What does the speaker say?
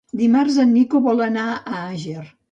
Dimarts en Nico vol anar a Àger.